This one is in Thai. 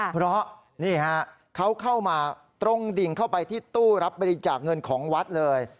เพราะนี่ฮะเขาเข้ามาตรงดิ่งเข้าไปที่ตู้รับบริจาคเงินของวัดเลย